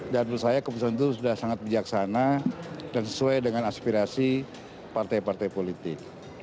dan menurut saya keputusan itu sudah sangat bijaksana dan sesuai dengan aspirasi partai partai politik